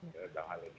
jangan hal ini